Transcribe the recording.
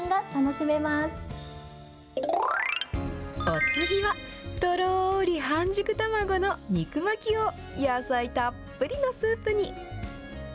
お次は、とろーり半熟卵の肉巻きを野菜たっぷりのスープに。